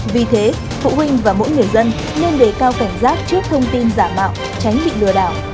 vì thế phụ huynh và mỗi người dân nên đề cao cảnh giác trước thông tin giả mạo tránh bị lừa đảo